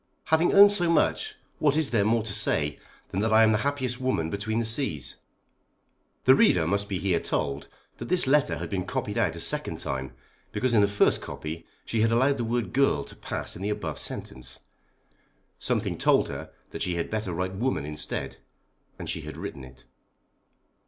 Having owned so much, what is there more to say than that I am the happiest woman between the seas? The reader must be here told that this letter had been copied out a second time because in the first copy she had allowed the word girl to pass in the above sentence. Something told her that she had better write woman instead, and she had written it.